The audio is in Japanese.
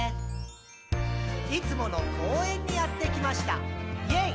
「いつもの公園にやってきました！イェイ！」